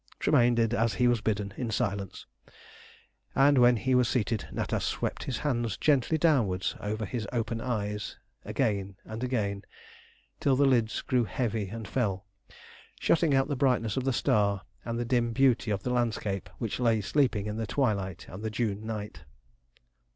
Tremayne did as he was bidden in silence, and when he was seated Natas swept his hands gently downwards over his open eyes again and again, till the lids grew heavy and fell, shutting out the brightness of the star, and the dim beauty of the landscape which lay sleeping in the twilight and the June night.